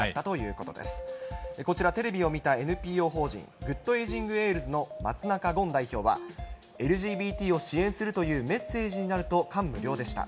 こちら、テレビを見たＮＰＯ法人グッド・エイジング・エールズの松中権代表は、ＬＧＢＴを支援するというメッセージになると感無量でした。